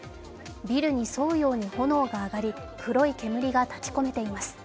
ビルに沿うように炎が上がり、黒い煙が立ちこめています。